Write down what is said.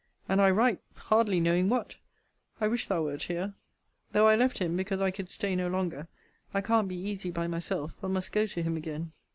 And I write, hardly knowing what. I wish thou wert here. Though I left him, because I could stay no longer, I can't be easy by myself, but must go to him again.